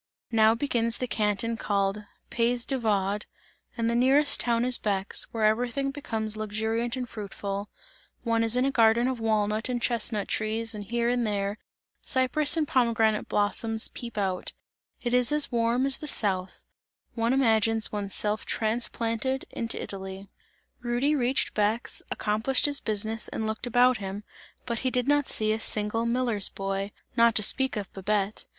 Now begins the Canton called Pays de Vaud and the nearest town is Bex, where everything becomes luxuriant and fruitful one is in a garden of walnut and chestnut trees and here and there, cypress and pomegranate blossoms peep out it is as warm as the South; one imagines one's self transplanted into Italy. Rudy reached Bex, accomplished his business and looked about him, but he did not see a single miller's boy, not to speak of Babette.